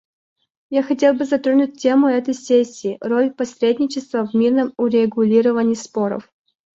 Я хотел бы затронуть тему этой сессии — роль посредничества в мирном урегулировании споров.